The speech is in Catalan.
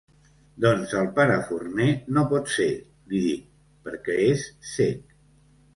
Doncs el pare Forner no pot ser —li dic—, perquè és cec.